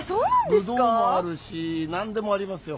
ぶどうもあるし何でもありますよ